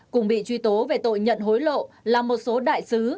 cùng bị truy tố về tội nhận hối lộ là một số đại sứ